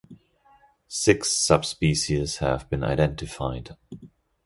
Six subspecies have been identified.